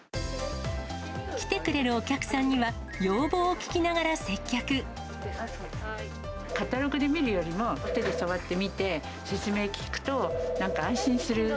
来てくれるお客さんには、カタログで見るよりも、手で触って見て、説明を聞くと、なんか安心する。